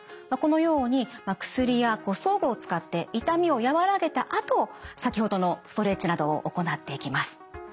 このように薬や装具を使って痛みを和らげたあと先ほどのストレッチなどを行っていきます。